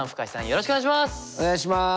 よろしくお願いします。